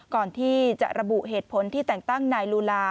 ก่อนที่จะระบุเหตุผลที่แต่งตั้งนายลูลา